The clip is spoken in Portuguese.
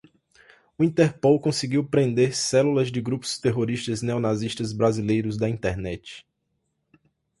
O interpol conseguiu prender células de grupos terroristas neonazistas brasileiros da internet